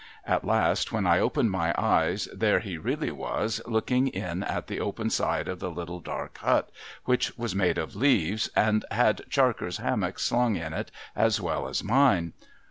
At last, when I opened my eyes, there he really was, looking in at the open side of the little dark hut ; which was made of leaves, and had Charker's hammock slung in it as well as mine.